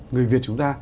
người việt chúng ta